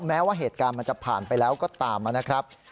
แม้ว่าเหตุการณ์มันจะผ่านไปแล้วก็ตามนะครับ